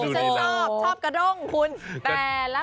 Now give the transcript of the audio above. ชอบกระด้งคุณแปรและก็